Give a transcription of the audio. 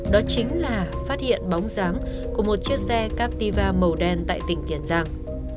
đó chính là phát hiện bóng dáng của một chiếc xe captiva màu đen tại tỉnh tiền giang